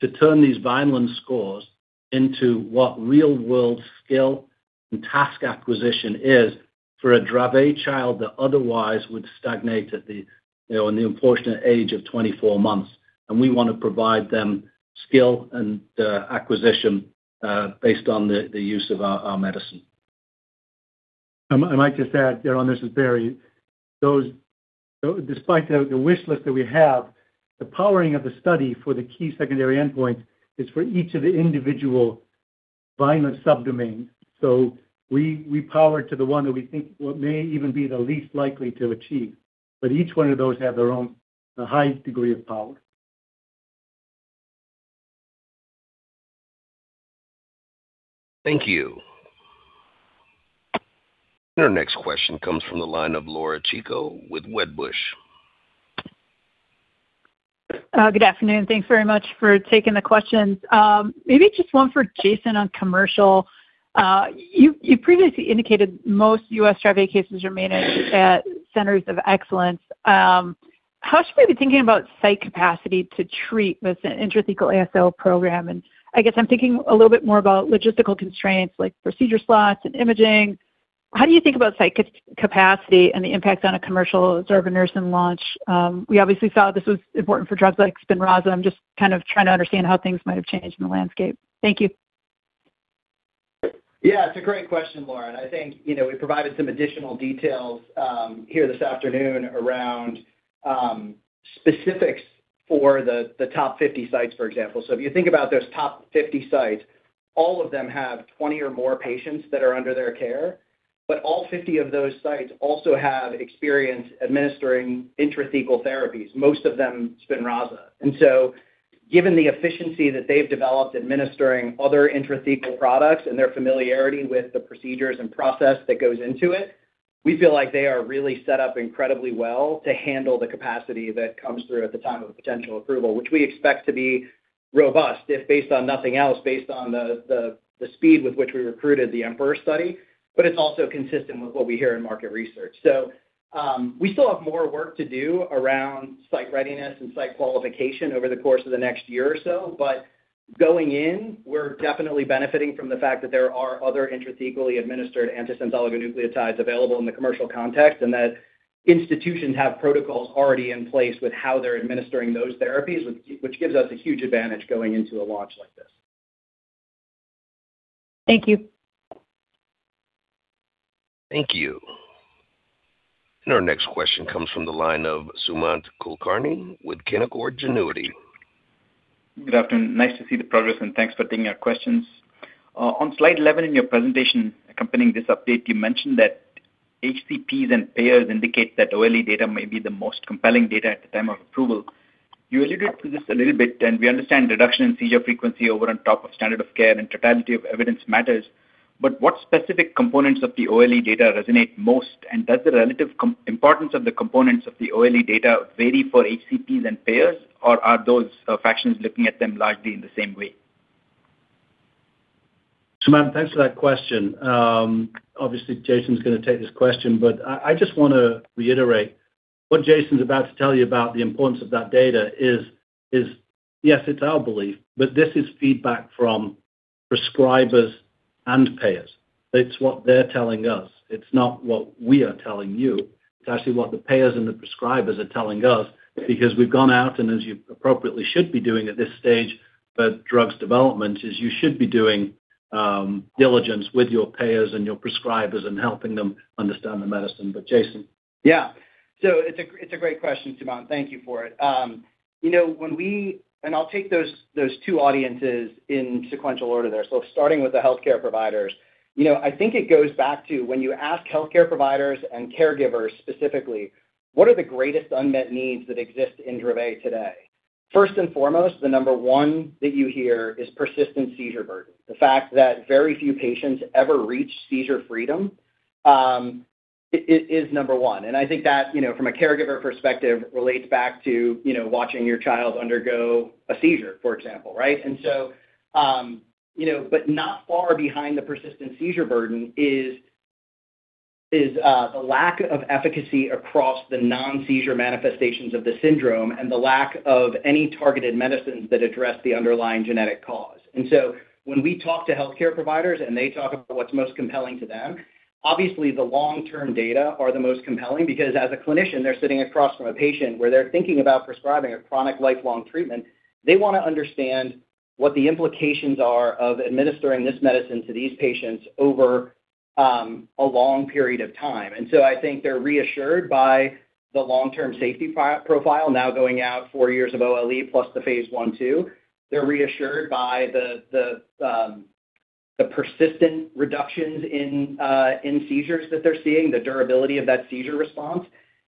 to turn these Vineland scores into what real-world skill and task acquisition is for a Dravet child that otherwise would stagnate at the unfortunate age of 24 months. We want to provide them skill and acquisition based on the use of our medicine. I might just add, Yaron, this is Barry. Despite the wish list that we have, the powering of the study for the key secondary endpoint is for each of the individual Vineland subdomains. We power to the one that we think may even be the least likely to achieve. Each one of those have their own high degree of power. Thank you. Our next question comes from the line of Laura Chico with Wedbush. Good afternoon. Thanks very much for taking the questions. Maybe just one for Jason on commercial. You previously indicated most U.S. Dravet cases are managed at centers of excellence. How should we be thinking about site capacity to treat with an intrathecal ASO program? I guess I'm thinking a little bit more about logistical constraints like procedure slots and imaging. How do you think about site capacity and the impact on a commercial Dravet nursing launch? We obviously saw this was important for drugs like SPINRAZA. I'm just kind of trying to understand how things might have changed in the landscape. Thank you. Yeah, it's a great question, Laura. I think we provided some additional details here this afternoon around specifics for the top 50 sites, for example. If you think about those top 50 sites, all of them have 20 or more patients that are under their care. All 50 of those sites also have experience administering intrathecal therapies, most of them SPINRAZA. Given the efficiency that they've developed administering other intrathecal products and their familiarity with the procedures and process that goes into it, we feel like they are really set up incredibly well to handle the capacity that comes through at the time of a potential approval. Which we expect to be robust, if based on nothing else, based on the speed with which we recruited the EMPEROR study, but it's also consistent with what we hear in market research. We still have more work to do around site readiness and site qualification over the course of the next year or so. Going in, we're definitely benefiting from the fact that there are other intrathecally administered antisense oligonucleotides available in the commercial context, and that institutions have protocols already in place with how they're administering those therapies, which gives us a huge advantage going into a launch like this. Thank you. Thank you. Our next question comes from the line of Sumant Kulkarni with Canaccord Genuity. Good afternoon. Nice to see the progress and thanks for taking our questions. On slide 11 in your presentation accompanying this update, you mentioned that HCPs and payers indicate that OLE data may be the most compelling data at the time of approval. You alluded to this a little bit, and we understand reduction in seizure frequency over and on top of standard of care and totality of evidence matters. What specific components of the OLE data resonate most? Does the relative importance of the components of the OLE data vary for HCPs and payers, or are those factions looking at them largely in the same way? Sumant, thanks for that question. Obviously, Jason's going to take this question. I just want to reiterate what Jason's about to tell you about the importance of that data is, yes, it's our belief, but this is feedback from prescribers and payers. It's what they're telling us. It's not what we are telling you. It's actually what the payers and the prescribers are telling us because we've gone out, and as you appropriately should be doing at this stage, but drug development is you should be doing diligence with your payers and your prescribers and helping them understand the medicine. But Jason. Yeah. It's a great question, Sumant. Thank you for it. I'll take those two audiences in sequential order there. Starting with the healthcare providers. I think it goes back to when you ask healthcare providers and caregivers specifically, what are the greatest unmet needs that exist in Dravet today? First and foremost, the number one that you hear is persistent seizure burden. The fact that very few patients ever reach seizure freedom is number one. I think that from a caregiver perspective, relates back to watching your child undergo a seizure, for example, right? Not far behind the persistent seizure burden is the lack of efficacy across the non-seizure manifestations of the syndrome and the lack of any targeted medicines that address the underlying genetic cause. When we talk to healthcare providers and they talk about what's most compelling to them, obviously the long-term data are the most compelling because as a clinician, they're sitting across from a patient where they're thinking about prescribing a chronic lifelong treatment. They want to understand what the implications are of administering this medicine to these patients over a long period of time. I think they're reassured by the long-term safety profile now going out four years of OLE plus the phase I/II. They're reassured by the persistent reductions in seizures that they're seeing, the durability of that seizure response.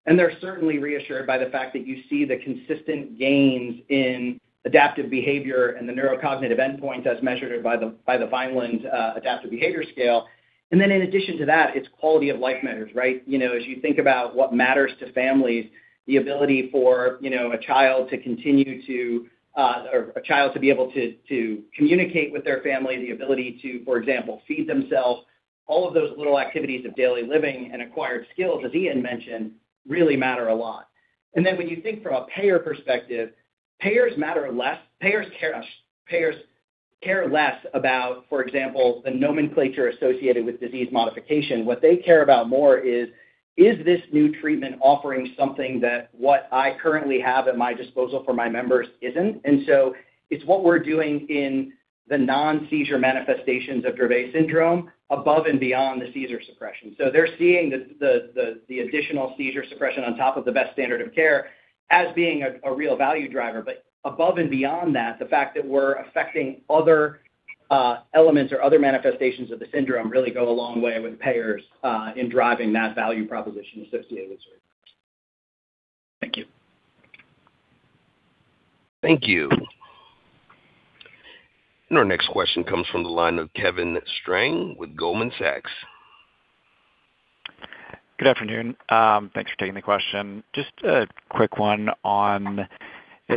They're certainly reassured by the fact that you see the consistent gains in adaptive behavior and the neurocognitive endpoint as measured by the Vineland Adaptive Behavior Scale. In addition to that, it's quality of life measures, right? As you think about what matters to families, the ability for a child to be able to communicate with their family, the ability to, for example, feed themselves. All of those little activities of daily living and acquired skills, as Ian mentioned, really matter a lot. When you think from a payer perspective, payers care less about, for example, the nomenclature associated with disease modification. What they care about more is, "Is this new treatment offering something that what I currently have at my disposal for my members isn't?" It's what we're doing in the non-seizure manifestations of Dravet syndrome above and beyond the seizure suppression. They're seeing the additional seizure suppression on top of the best standard of care as being a real value driver. Above and beyond that, the fact that we're affecting other elements or other manifestations of the syndrome really go a long way with payers in driving that value proposition associated with zorevunersen. Thank you. Thank you. Our next question comes from the line of Kevin Strang with Goldman Sachs. Good afternoon. Thanks for taking the question. Just a quick one on,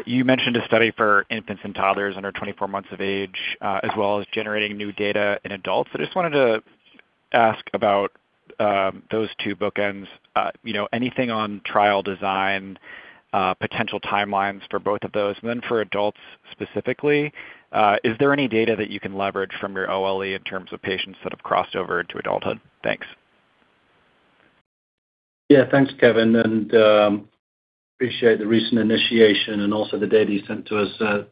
you mentioned a study for infants and toddlers under 24 months of age, as well as generating new data in adults. I just wanted to ask about those two bookends. Anything on trial design, potential timelines for both of those? Then for adults specifically, is there any data that you can leverage from your OLE in terms of patients that have crossed over to adulthood? Thanks. Yeah. Thanks, Kevin, and appreciate the recent initiation and also the data you sent to us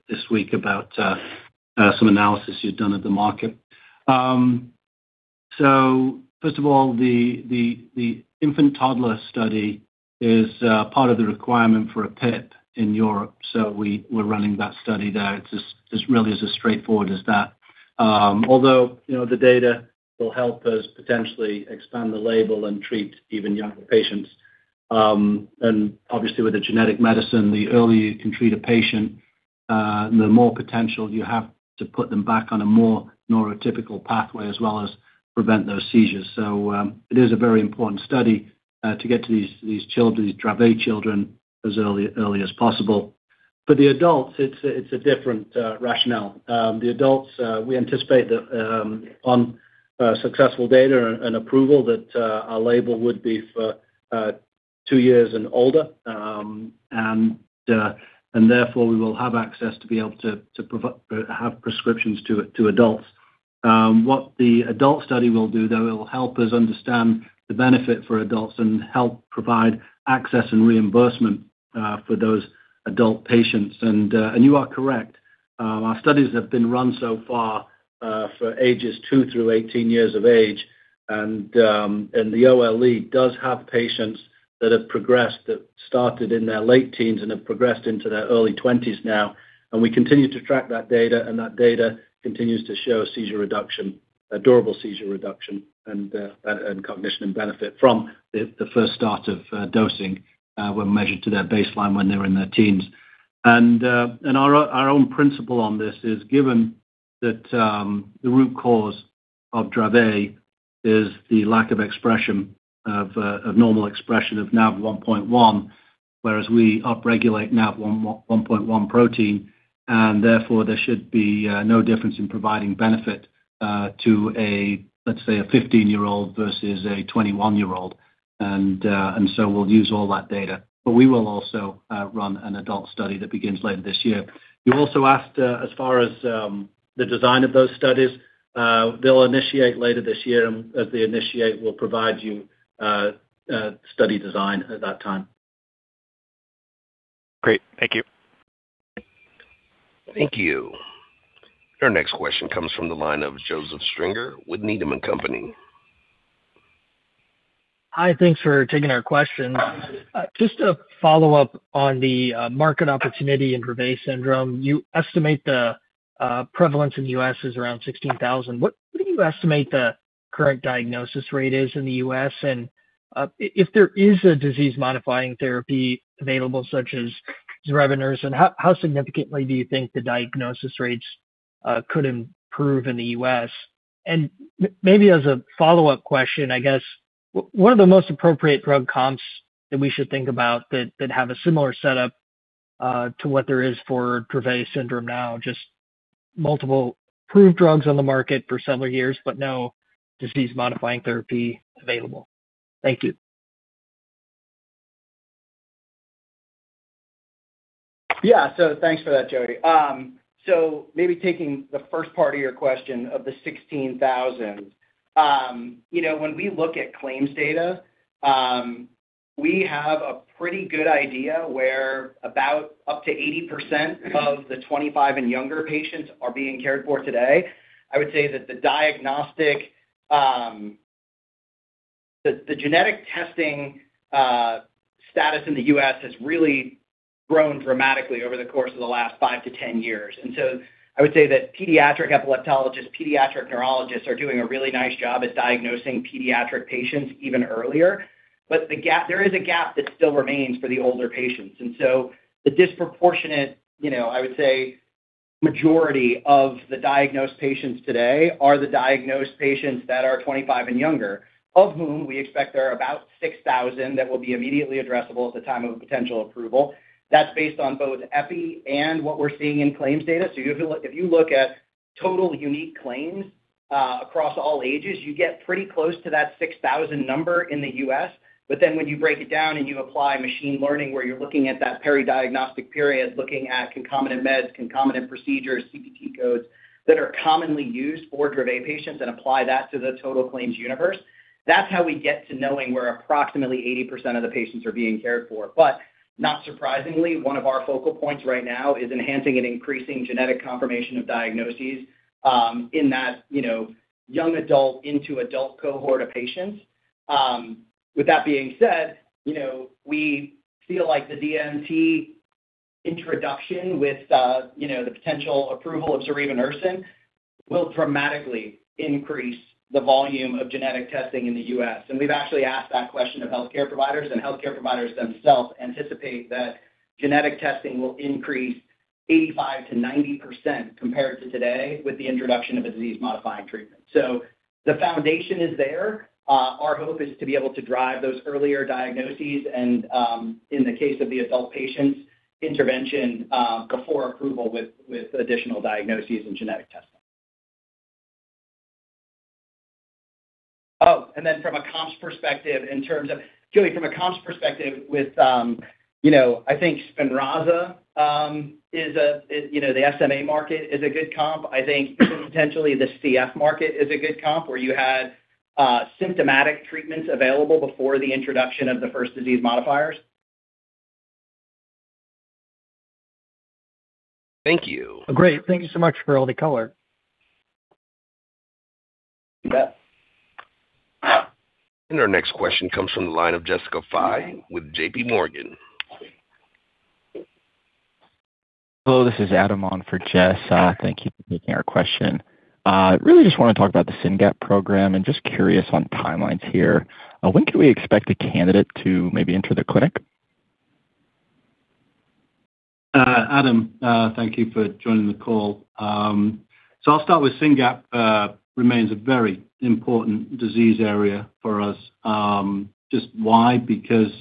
this week about some analysis you've done of the market. First of all, the infant toddler study is part of the requirement for a PIP in Europe. We're running that study there. It really is as straightforward as that. Although, the data will help us potentially expand the label and treat even younger patients. Obviously with a genetic medicine, the earlier you can treat a patient, the more potential you have to put them back on a more neurotypical pathway, as well as prevent those seizures. It is a very important study, to get to these Dravet children as early as possible. For the adults, it's a different rationale. The adults, we anticipate that on successful data and approval that our label would be for two years and older. Therefore we will have access to be able to have prescriptions to adults. What the adult study will do, though, it'll help us understand the benefit for adults and help provide access and reimbursement for those adult patients. You are correct. Our studies have been run so far for ages two through 18 years of age. The OLE does have patients that have progressed, that started in their late teens and have progressed into their early twenties now. We continue to track that data, and that data continues to show a durable seizure reduction and cognition and benefit from the first start of dosing when measured to their baseline when they were in their teens. Our own principle on this is given that the root cause of Dravet is the lack of normal expression of NaV1.1, whereas we upregulate NaV1.1 protein, and therefore there should be no difference in providing benefit to, let's say, a 15-year-old versus a 21-year-old. We'll use all that data. We will also run an adult study that begins later this year. You also asked as far as the design of those studies. They'll initiate later this year, and as they initiate, we'll provide you study design at that time. Great. Thank you. Thank you. Your next question comes from the line of Joseph Stringer with Needham & Company. Hi, thanks for taking our question. Just a follow-up on the market opportunity in Dravet syndrome. You estimate the prevalence in the U.S. is around 16,000. What do you estimate the current diagnosis rate is in the U.S.? If there is a disease-modifying therapy available, such as zorevunersen, and how significantly do you think the diagnosis rates could improve in the U.S.? Maybe as a follow-up question, I guess, what are the most appropriate drug comps that we should think about that have a similar setup to what there is for Dravet syndrome now, just multiple approved drugs on the market for several years, but no disease-modifying therapy available. Thank you. Thanks for that, Joseph. Maybe taking the first part of your question of the 16,000. When we look at claims data, we have a pretty good idea where about up to 80% of the 25 and younger patients are being cared for today. I would say that the genetic testing status in the U.S. has really grown dramatically over the course of the last five to 10 years. I would say that pediatric epileptologists, pediatric neurologists are doing a really nice job at diagnosing pediatric patients even earlier. There is a gap that still remains for the older patients. The disproportionate, I would say, majority of the diagnosed patients today are the diagnosed patients that are 25 and younger, of whom we expect there are about 6,000 that will be immediately addressable at the time of a potential approval. That's based on both Epi and what we're seeing in claims data. If you look at total unique claims across all ages, you get pretty close to that 6,000 number in the U.S. When you break it down and you apply machine learning where you're looking at that peri-diagnostic period, looking at concomitant meds, concomitant procedures, CPT codes that are commonly used for Dravet patients and apply that to the total claims universe, that's how we get to knowing where approximately 80% of the patients are being cared for. Not surprisingly, one of our focal points right now is enhancing and increasing genetic confirmation of diagnoses in that young adult into adult cohort of patients. With that being said, we feel like the DMT introduction with the potential approval of zorevunersen will dramatically increase the volume of genetic testing in the U.S. We've actually asked that question of healthcare providers, and healthcare providers themselves anticipate that genetic testing will increase 85%-90% compared to today with the introduction of a disease-modifying treatment. The foundation is there. Our hope is to be able to drive those earlier diagnoses and, in the case of the adult patients, intervention before approval with additional diagnoses and genetic testing. From a comps perspective, Joseph, from a comps perspective with, I think SPINRAZA, the SMA market is a good comp. I think potentially the CF market is a good comp, where you had symptomatic treatments available before the introduction of the first disease modifiers. Thank you. Great. Thank you so much for all the color. You bet. Our next question comes from the line of Jessica Fye with JPMorgan. Hello, this is Adam on for Jess. Thank you for taking our question. Really just want to talk about the SYNGAP program. Just curious on timelines here. When can we expect a candidate to maybe enter the clinic? Adam, thank you for joining the call. I'll start with SYNGAP remains a very important disease area for us. Just why? Because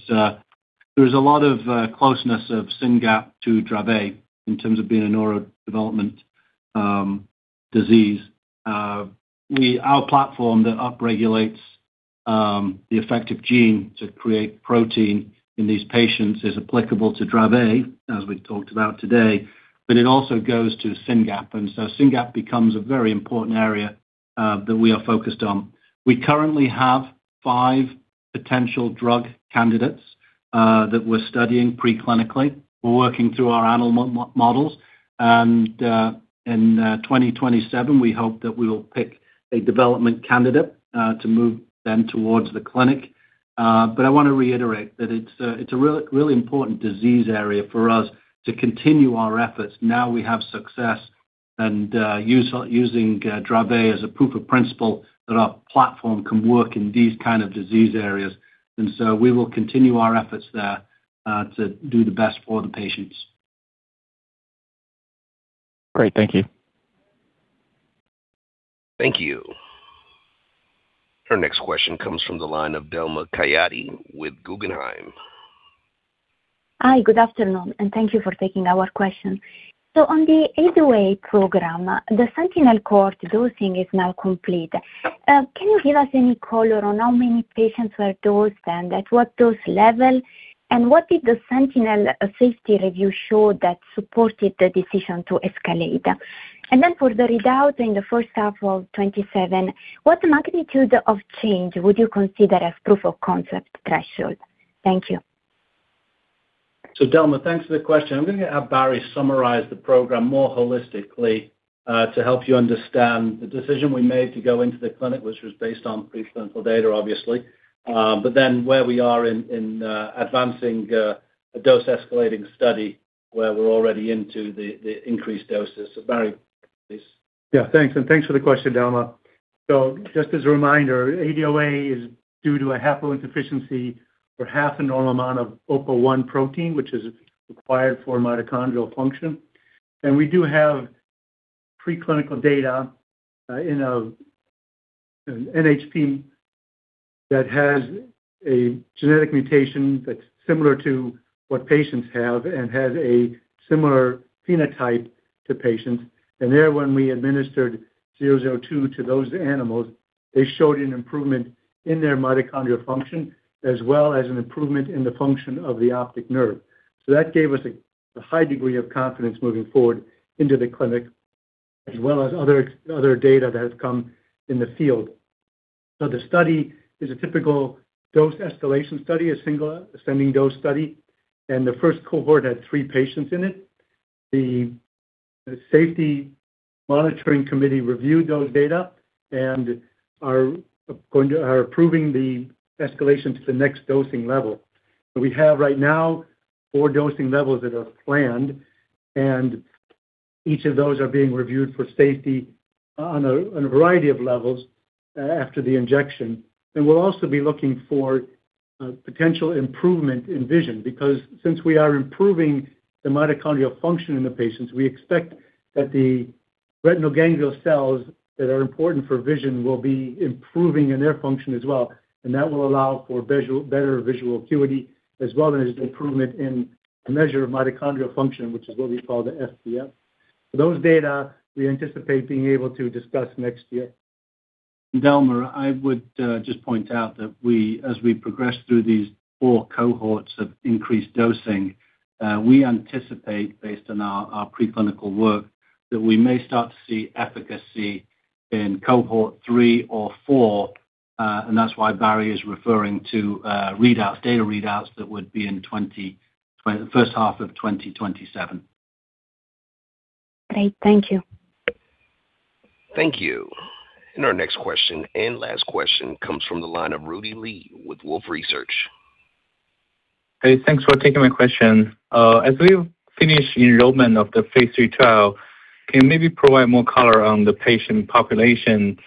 there's a lot of closeness of SYNGAP to Dravet in terms of being a neurodevelopment disease. Our platform that upregulates the effective gene to create protein in these patients is applicable to Dravet, as we've talked about today, it also goes to SYNGAP. SYNGAP becomes a very important area that we are focused on. We currently have five potential drug candidates that we're studying pre-clinically. We're working through our animal models, and in 2027, we hope that we will pick a development candidate to move then towards the clinic. I want to reiterate that it's a really important disease area for us to continue our efforts. We have success and using Dravet as a proof of principle that our platform can work in these kind of disease areas. We will continue our efforts there to do the best for the patients. Great, thank you. Thank you. Our next question comes from the line of Delma Caiati with Guggenheim. Hi, good afternoon, thank you for taking our question. On the ADOA program, the Sentinel cohort dosing is now complete. Can you give us any color on how many patients were dosed and at what dose level? What did the Sentinel safety review show that supported the decision to escalate? For the readout in the first half of 2027, what magnitude of change would you consider as proof of concept threshold? Thank you. Delma, thanks for the question. I'm going to have Barry summarize the program more holistically, to help you understand the decision we made to go into the clinic, which was based on pre-clinical data, obviously. Where we are in advancing a dose-escalating study where we're already into the increased doses. Barry, please. Yeah, thanks. Thanks for the question, Delma. Just as a reminder, ADOA is due to a haploinsufficiency or half a normal amount of OPA1 protein, which is required for mitochondrial function. We do have pre-clinical data in an NHP that has a genetic mutation that's similar to what patients have and has a similar phenotype to patients. There, when we administered STK-002 to those animals, they showed an improvement in their mitochondrial function, as well as an improvement in the function of the optic nerve. That gave us a high degree of confidence moving forward into the clinic, as well as other data that has come in the field. The study is a typical dose escalation study, a single ascending dose study, and the first cohort had three patients in it. The safety monitoring committee reviewed those data and are approving the escalation to the next dosing level. We have right now four dosing levels that are planned, and each of those are being reviewed for safety on a variety of levels after the injection. We'll also be looking for potential improvement in vision, because since we are improving the mitochondrial function in the patients, we expect that the retinal ganglion cells that are important for vision will be improving in their function as well. That will allow for better visual acuity, as well as improvement in the measure of mitochondrial function, which is what we call the FDF. Those data we anticipate being able to discuss next year. Delma, I would just point out that as we progress through these four cohorts of increased dosing, we anticipate, based on our pre-clinical work, that we may start to see efficacy in cohort three or four, and that's why Barry is referring to data readouts that would be in first half of 2027. Great. Thank you. Thank you. Our next question and last question comes from the line of Rudy Li with Wolfe Research. Hey, thanks for taking my question. As we finish enrollment of the phase III trial, can you maybe provide more color on the patient population,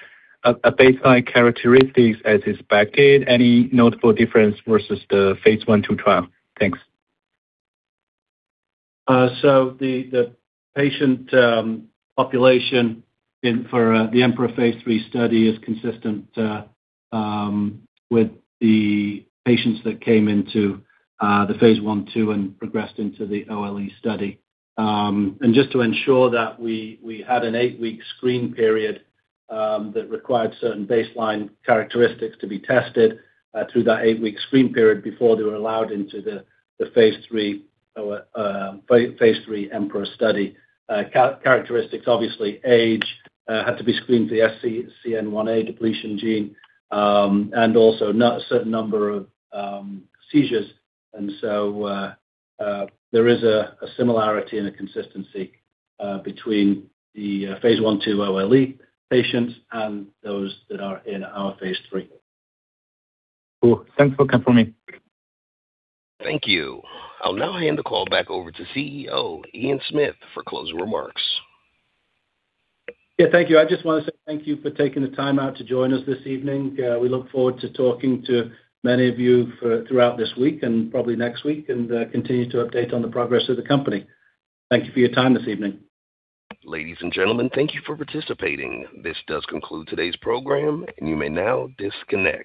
baseline characteristics as expected? Any notable difference versus the phase I/II trial? Thanks. The patient population for the EMPEROR phase III study is consistent with the patients that came into the phase I/II and progressed into the OLE study. Just to ensure that we had an eight-week screen period that required certain baseline characteristics to be tested through that eight-week screen period before they were allowed into the phase III EMPEROR study. Characteristics, obviously age had to be screened, the SCN1A depletion gene and also a certain number of seizures. There is a similarity and a consistency between the phase I/II OLE patients and those that are in our phase III. Cool. Thanks for confirming. Thank you. I'll now hand the call back over to CEO, Ian Smith, for closing remarks. Yeah, thank you. I just want to say thank you for taking the time out to join us this evening. We look forward to talking to many of you throughout this week and probably next week and continue to update on the progress of the company. Thank you for your time this evening. Ladies and gentlemen, thank you for participating. This does conclude today's program, and you may now disconnect.